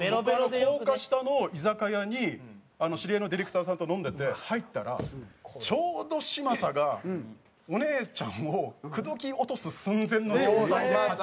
高架下の居酒屋に知り合いのディレクターさんと飲んでて入ったらちょうど嶋佐がお姉ちゃんを口説き落とす寸前の状態に鉢合わせて。